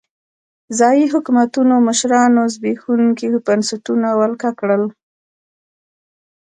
ځايي حکومتونو مشرانو زبېښونکي بنسټونه ولکه کړل.